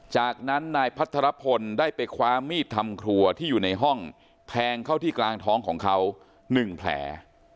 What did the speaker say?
จากนั้นนายพัทรพลได้ไปคว้ามีดทำครัวที่อยู่ในห้องแทงเข้าที่กลางท้องของเขา๑แผล